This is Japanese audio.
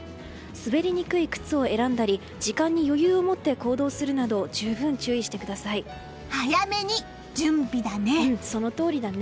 滑りにくい靴を選んだり時間に余裕を持って行動するなど早めに準備だね。